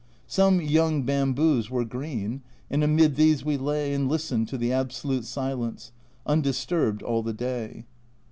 Some young bamboos were green, and amid these we lay and listened to the absolute silence, undisturbed all the day.